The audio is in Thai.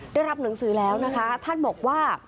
ได้รับหนังสือแล้วนะคะท่านบอกว่า